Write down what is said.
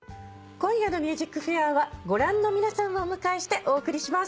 今夜の『ＭＵＳＩＣＦＡＩＲ』はご覧の皆さんをお迎えしてお送りします。